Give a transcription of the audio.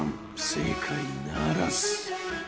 正解ならず］